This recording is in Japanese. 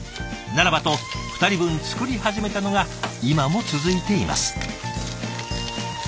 ならばと２人分作り始めたのが今も続いています。